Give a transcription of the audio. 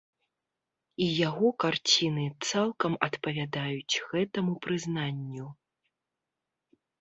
І яго карціны цалкам адпавядаюць гэтаму прызнанню.